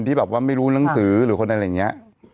คือบางทีคนไม่รู้หนังสือหรือคนอะไรเงี้ย